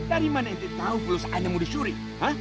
dari mana anda tahu urusan ayah mau disuruh